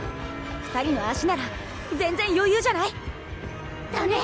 ２人の足なら全然余裕じゃない？だね！